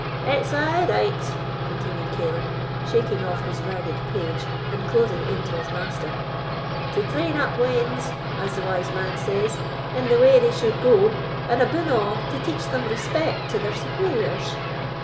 It's aye right," continued Caleb, shaking off his ragged page, and closing in to his Master, "to train up weans, as the wise man says, in the way they should go, and, aboon a', to teach them respect to their superiors."